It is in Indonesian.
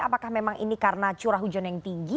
apakah memang ini karena curah hujan yang tinggi